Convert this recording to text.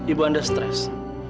ibu anda stres